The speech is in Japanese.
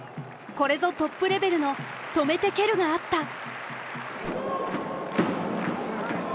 これぞトップレベルの「止めて蹴る」があった。